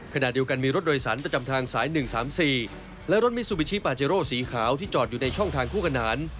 ขณะเดียวกันมีรถโดยสารประจำทางสาย๑๓๔และรถมิซูบิชิปาเจโร่สีขาวที่จอดอยู่ในช่องทางคู่ขนาน